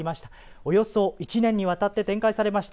およそ１年にわたって展開されました。